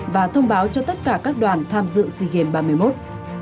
và thông báo cho tất cả các đoàn tham dự sea games ba mươi một